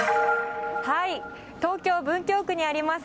東京・文京区にあります